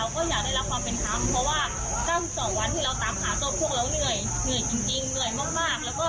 ก็ความคิดของเรานึกเกลียดไม่ได้อะค่ะ